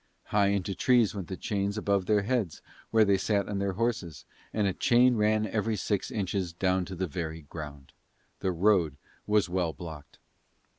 High into the trees went the chains above their heads where they sat their horses, and a chain ran every six inches down to the very ground: the road was well blocked.